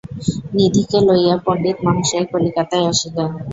নিধিকে লইয়া পণ্ডিতমহাশয় কলিকাতায় আসিলেন।